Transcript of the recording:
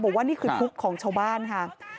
บอกว่านี่คือทุกข์ของชาวบ้านค่ะ